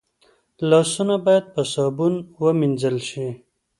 لاسونه باید په صابون ومینځل شي